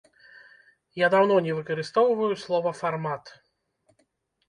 Я даўно не выкарыстоўваю слова фармат.